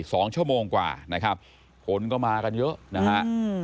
สองชั่วโมงกว่านะครับคนก็มากันเยอะนะฮะอืม